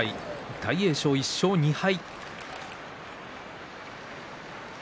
大栄翔１勝２敗。